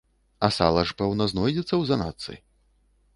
А сала ж, пэўна, знойдзецца ў заначцы.